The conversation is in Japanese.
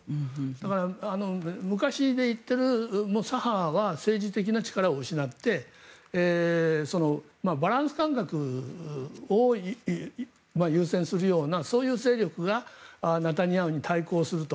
だから昔で言ってる左派は政治的な力を失ってバランス感覚を優先するようなそういう勢力がネタニヤフに対抗すると。